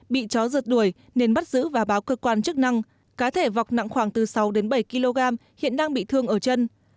bị chó rượt đuổi nên bắt giữ và báo cơ quan chức năng cá thể vọc nặng khoảng từ sáu đến bảy kg hiện đang bị thương ở chân